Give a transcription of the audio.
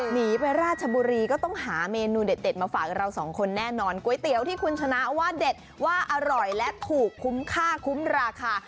หนีไปราชบุรีก็ต้องหาเมนูเด็ดมาฝากเราสองคนแน่นอนก๋วยเตี๋ยวที่คุณชนะว่าเด็ดว่าอร่อยและถูกคุ้มค่าคุ้มราคา